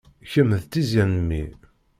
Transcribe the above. Kemm d tizzya n mmi.